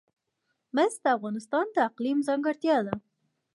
مس د افغانستان د اقلیم ځانګړتیا ده.